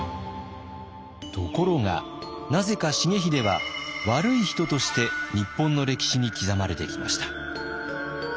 ところがなぜか重秀は悪い人として日本の歴史に刻まれてきました。